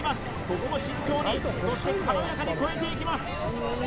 ここも慎重にそして軽やかに越えていきます